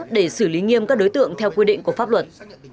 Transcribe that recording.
để xử lý nghiêm các đối tượng theo quy định của pháp luật